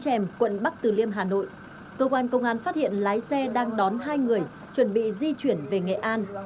trèm quận bắc từ liêm hà nội cơ quan công an phát hiện lái xe đang đón hai người chuẩn bị di chuyển về nghệ an